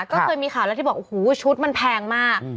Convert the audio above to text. ก็เคยมีข่าวแล้วที่บอกโอ้โหชุดมันแพงมาก